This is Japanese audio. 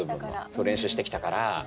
そう練習してきたから。